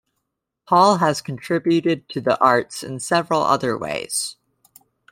Hall has contributed to the arts in several other ways.